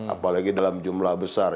apalagi dalam jumlah besar